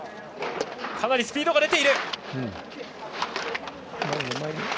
かなりスピードが出ている。